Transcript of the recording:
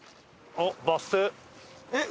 あっバス停！